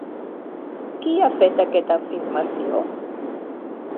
Qui ha fet aquesta afirmació?